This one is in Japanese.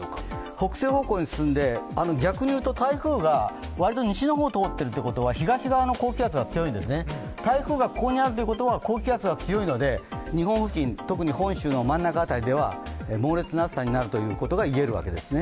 北西方向に進んで逆に言うと台風が割と西の方通ってるってことは東側の高気圧が強いんですね、台風がここにあるということは高気圧が強いので日本付近、特に本州の真ん中辺りでは猛烈な暑さになるということが言えるというわけですね。